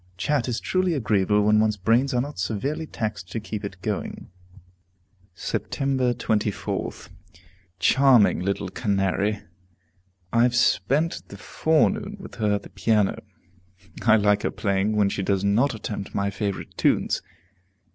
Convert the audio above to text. Chat is truly agreeable when one's brains are not severely taxed to keep it going." Sept. 24th. Charming little Canary! I have spent the forenoon with her at the piano. I like her playing when she does not attempt my favorite tunes.